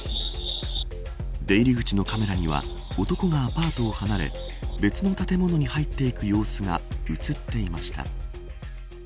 出入り口のカメラには男がアパートを離れ別の建物に入っていく様子が映っていました。